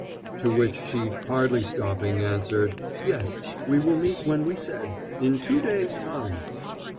to which she, hardly stopping, answered: "Yes we will meet when we said in two days' time."